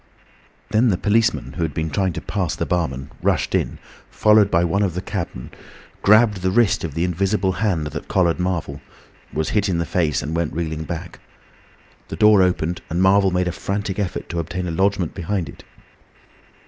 Then the policeman, who had been trying to pass the barman, rushed in, followed by one of the cabmen, gripped the wrist of the invisible hand that collared Marvel, was hit in the face and went reeling back. The door opened, and Marvel made a frantic effort to obtain a lodgment behind it.